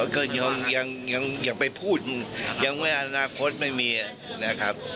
ก็ยังไปพูดยังไม่อนาคตไม่มีนะครับ